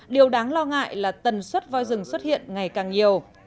điều đáng lo ngại là tần suất voi rừng xuất hiện ngày càng nhiều